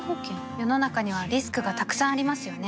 世の中にはリスクがたくさんありますよね